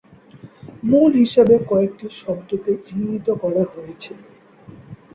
মূল হিসেবে কয়েকটি শব্দকে চিহ্নিত করা হয়েছে।